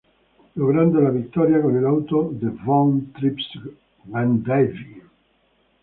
Logrando la victoria con el auto de von Trips-Gendebien.